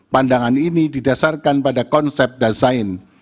pandangan ini didasarkan pada konsep desain